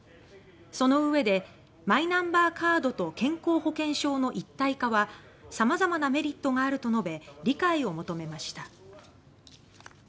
そのうえで「マイナンバーカードと健康保険証の一体化は様々なメリットがある」と述べ理解を求めました。